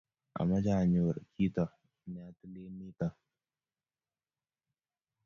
Ameche anyoru kito ne atilen nito